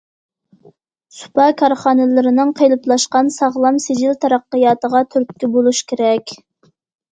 سۇپا كارخانىلىرىنىڭ قېلىپلاشقان، ساغلام، سىجىل تەرەققىياتىغا تۈرتكە بولۇش كېرەك.